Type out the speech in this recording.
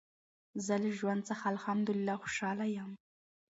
زه له ژوند څخه الحمدلله خوشحاله یم.